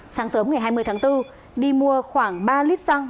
sáng sớm ngày hai mươi tháng bốn đi mua khoảng ba lít xăng